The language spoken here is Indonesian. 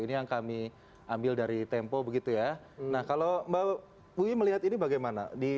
man kumham yasona lawli's statement